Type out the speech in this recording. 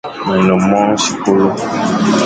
Me ne mong sikolo.